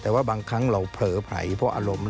แต่ว่าบางครั้งเราเผลอไผลเพราะอารมณ์